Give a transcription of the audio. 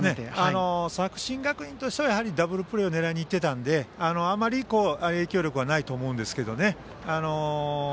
作新学院としてはダブルプレーを狙いに行っていたのであまり影響力はないと思うんですけどね。